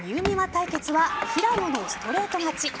対決は平野のストレート勝ち。